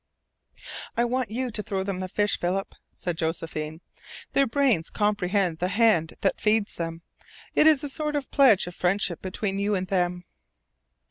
"I want you to throw them the fish, Philip," said Josephine. "Their brains comprehend the hand that feeds them. It is a sort of pledge of friendship between you and them."